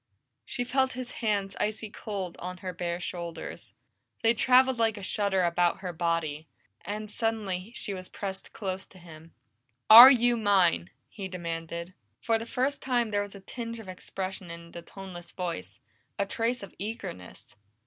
She felt his hands icy cold on her bare shoulders. They traveled like a shudder about her body, and suddenly she was pressed close to him. "Are you mine?" he demanded. For the first time there was a tinge of expression in the toneless voice, a trace of eagerness.